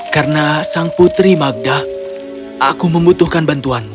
karena sang putri magda aku membutuhkan bantuanmu